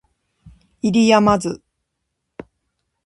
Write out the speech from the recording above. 不入斗